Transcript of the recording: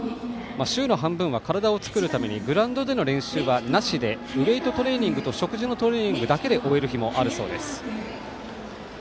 週の半分は体を作るためにグラウンドでの練習はなしでウエイトトレーニングと食事のトレーニングだけで終える日もあるそうです。